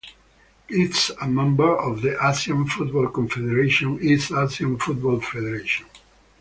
It is a member of the Asian Football Confederation's East Asian Football Federation.